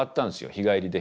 日帰りで。